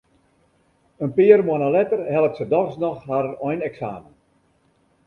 In pear moanne letter hellet se dochs noch har eineksamen.